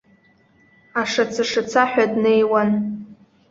Ашаца-шацаҳәа днеиуан.